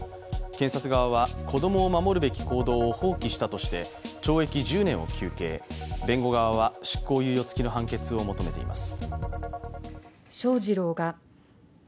検察側は子供を守るべき行動を放棄したとして懲役１０年を求刑、弁護側は執行猶予つきの判決を求めています。